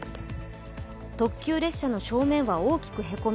特急列車の正面は大きくへこみ